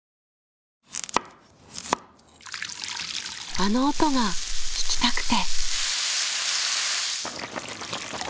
あの音が聞きたくて。